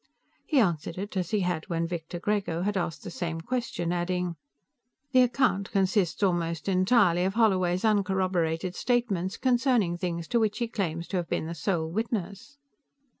He answered it as he had when Victor Grego had asked the same question, adding: "The account consists almost entirely of Holloway's uncorroborated statements concerning things to which he claims to have been the sole witness."